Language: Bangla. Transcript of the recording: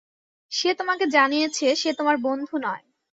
যে তোমাকে জানিয়েছে সে তোমার বন্ধু নয়।